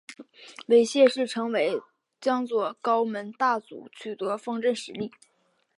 为谢氏成为江左高门大族取得方镇实力。